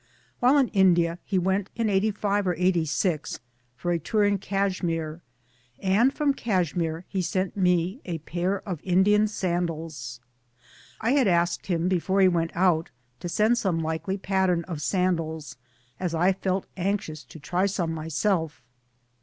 (While in India he went in '85 or '86 for a tour in Cashmere, and from Cashmere he sent me a pair of Indian sandals. I had asked him, before he went out, to send some likely pattern of sandals, as I felt anxious to try some myself.